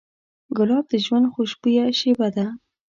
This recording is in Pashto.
ګلاب د ژوند خوشبویه شیبه ده.